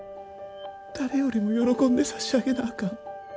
誰よりも喜んで差し上げなあかん。